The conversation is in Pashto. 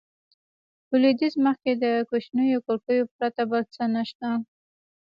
په لوېدیځ مخ کې د کوچنیو کړکیو پرته بل څه نه شته.